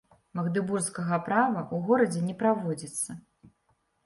Магдэбургскага права ў горадзе не праводзіцца.